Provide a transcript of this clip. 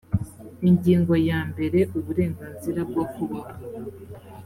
ingingo ya mbere uburenganzira bwo kubaho